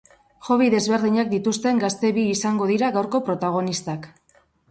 Hobby desberdinak dituzten gazte bi izango dira gaurko protagonistak.